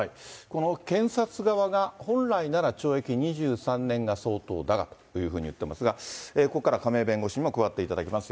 この検察側が、本来なら懲役２３年が相当だがというふうに言ってますが、ここからは亀井弁護士にも加わっていただきます。